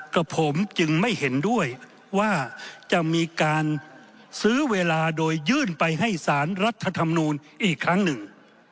กับผมจึงไม่เห็นด้วยว่าจะมีการซื้อเวลาโดยยื่นไปให้สารรัฐธรรมนูลอีกครั้งหนึ่ง